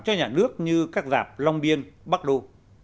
cho nhà nước như các rạp long biên bắc đô